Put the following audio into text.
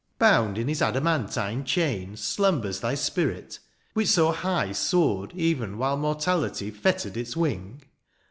Bound in his adamantine chain, ^^ Slumbers thy spirit ? which so high " Soared even while mortality ^^ Fettered its wing.